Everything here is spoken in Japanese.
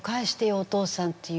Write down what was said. お父さんっていう。